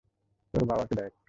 তোর বাবাকে দেখ।